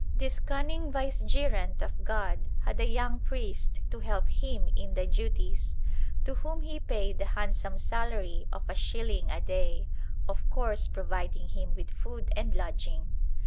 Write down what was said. This cunning vicegerent of God had a young priest to help him in the duties, to whom he paid the handsome salary of a shilling a day, of course providing him with food and lodging.